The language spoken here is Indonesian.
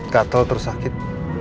katel terus sakit